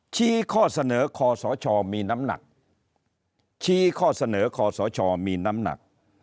ชี้ข้อเสนอคอสชมีน้ำหนักชี้ข้อเสนอคอสชมีน้ำหนัก